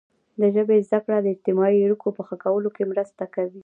د ژبې زده کړه د اجتماعي اړیکو په ښه کولو کې مرسته کوي.